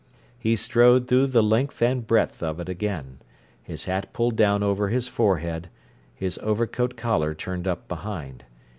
He strode through the length and breadth of it again, his hat pulled down over his forehead, his overcoat collar turned up behind.